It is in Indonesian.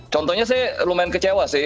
contohnya saya lumayan kecewa sih